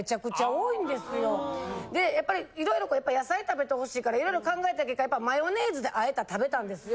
でやっぱり色々野菜食べてほしいから色々考えた結果マヨネーズであえたら食べたんですよ。